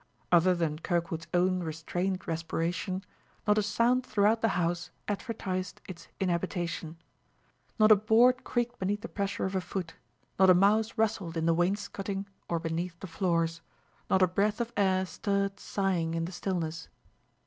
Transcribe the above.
Other than Kirkwood's own restrained respiration not a sound throughout the house advertised its inhabitation; not a board creaked beneath the pressure of a foot, not a mouse rustled in the wainscoting or beneath the floors, not a breath of air stirred sighing in the stillness.